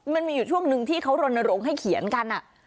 มันมีอยู่ช่วงหนึ่งที่เขารณรงค์ให้เขียนกัน